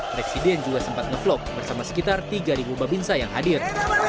presiden juga sempat nge vlog bersama sekitar tiga babinsa yang hadir